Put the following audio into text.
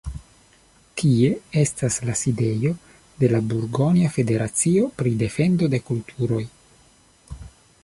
Tie estas la sidejo de la burgonja federacio pri defendo de kulturoj.